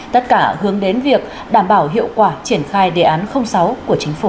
tất cả hướng đến việc đảm bảo hiệu quả triển khai đề án sáu của chính phủ